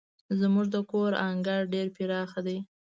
زموږ د کور انګړ ډير پراخه دی.